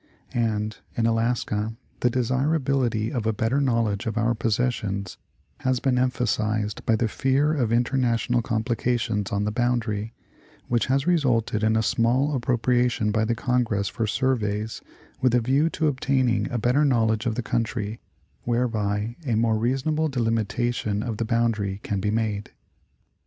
And in Alaska the desirability of a better knowledge of our possessions has been emphasized by the fear of international com plications on the boundary, which has resulted in a small appro priation by the Congress for surveys, with a view to obtaining a better knowledge of the country, whereby a more reasonable de limitation of the boundary can be made. 130 National Geographic Magazine.